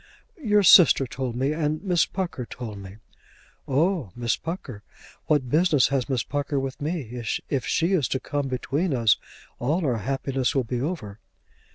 "Your sister told me, and Miss Pucker told her." "Oh, Miss Pucker! What business has Miss Pucker with me? If she is to come between us all our happiness will be over."